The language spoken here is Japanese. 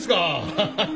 ハハハ！